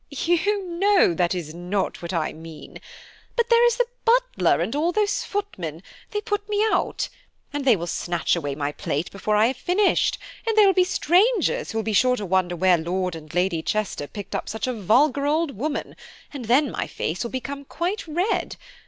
"You know that is not what I mean–but there is the butler, and all those footmen, they put me out; and they will snatch away my plate before I have finished; and there will be strangers who will be sure to wonder where Lord and Lady Chester picked up such a vulgar old woman; and then my face will become quite red.